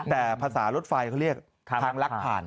แต่ภาษารถไฟเขาเรียกทางลักผ่าน